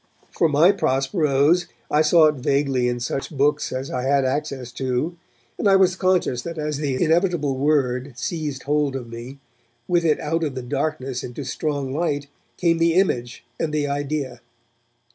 For my Prosperos I sought vaguely in such books as I had access to, and I was conscious that as the inevitable word seized hold of me, with it out of the darkness into strong light came the image and the idea.